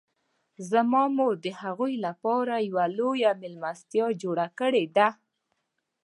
زما مور د هغوی لپاره یوه لویه میلمستیا جوړه کړې ده